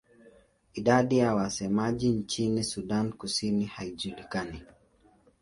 Idadi ya wasemaji nchini Sudan Kusini haijulikani.